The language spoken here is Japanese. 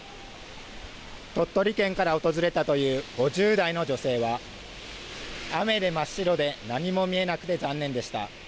鳥取県から訪れたという５０代の女性は雨で真っ白で何も見えなくて残念でした。